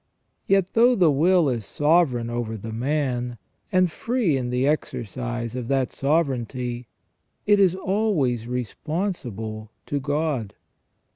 Yet though the will is sovereign over the man, and free in the exercise of that sovereignty, it is always responsible to God.